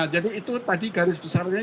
jadi itu tadi garis besarnya